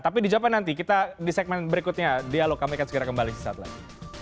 tapi dijawabkan nanti kita di segmen berikutnya dialog kami akan segera kembali sesaat lagi